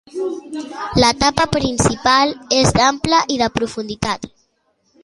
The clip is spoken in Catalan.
L'etapa principal és d'ample i de profunditat.